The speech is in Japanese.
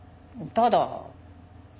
ただ？